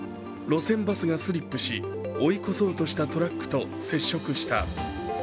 路線バスがスリップし追い越そうとしたトラックと接触した。